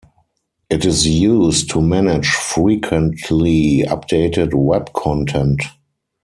It is used to manage frequently-updated Web content.